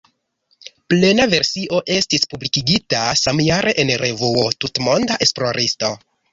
Plena versio estis publikigita samjare en revuo "Tutmonda esploristo".